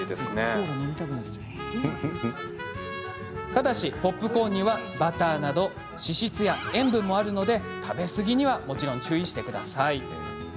ただし、ポップコーンにはバターなど脂質や塩分もあるので食べ過ぎには注意してください。